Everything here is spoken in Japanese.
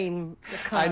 はい。